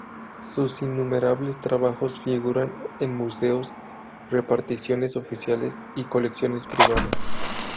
Sus innumerables trabajos figuran en museos, reparticiones oficiales y colecciones privadas.